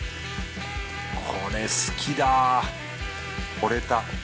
これ好きだほれた。